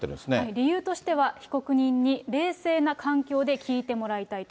理由としては、被告人に冷静な環境で聞いてもらいたいと。